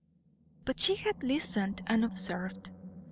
But she had listened, and observed.